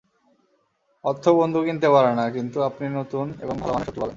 অর্থ বন্ধু কিনতে পারে না, কিন্তু আপনি নতুন এবং ভালো মানের শত্রু পাবেন।